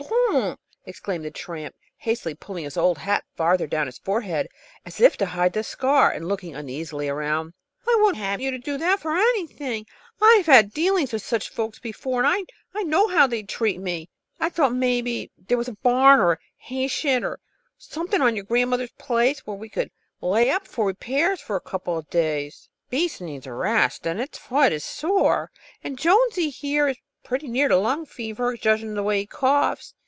"Oh, no! No, don't!" exclaimed the tramp, hastily, pulling his old hat farther over his forehead, as if to hide the scar, and looking uneasily around. "I wouldn't have you do that for anything. I've had dealings with such folks before, and I know how they'd treat me. I thought maybe there was a barn or a hay shed or something on your grandmother's place, where we could lay up for repairs a couple of days. The beast needs a rest. Its foot's sore; and Jonesy there is pretty near to lung fever, judging from the way he coughs."